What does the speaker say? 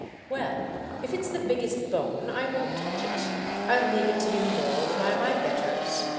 "Well, if it's the biggest bone I won't touch it; I'll leave it to be mauled by my betters.